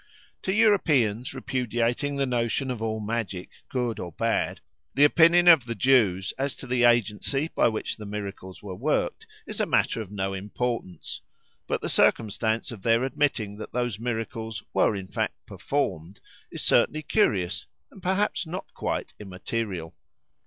To Europeans repudiating the notion of all magic, good or bad, the opinion of the Jews as to the agency by which the miracles were worked is a matter of no importance; but the circumstance of their admitting that those miracles were in fact performed, is certainly curious, and perhaps not quite immaterial.